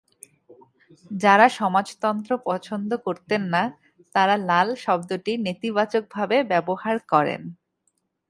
যারা সমাজতন্ত্র পছন্দ করতেন না তারা লাল শব্দটি নেতিবাচকভাবে ব্যবহার করেন।